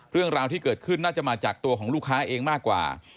เรื่องราวที่เกิดขึ้นน่าจะมาจากตัวของลูกค้าเองมากกว่า